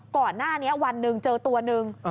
ก่อนหน้านี้วันหนึ่งเจอตัวหนึ่ง